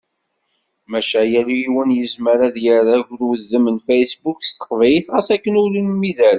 Maca, yal yiwen yezmer ad d-yerr agrudem n Facebook s teqbaylit ɣas akken ur imid ara.